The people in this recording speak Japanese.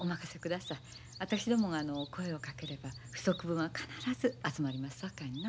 私どもが声を掛ければ不足分は必ず集まりますさかいな。